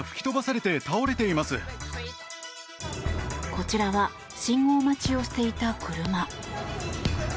こちらは信号待ちをしていた車。